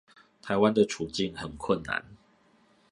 臺灣的處境很困難